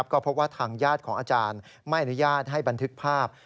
ก็พบว่าทางญาติของอาจารย์ไม่อนุญาตให้บันทึกภาพ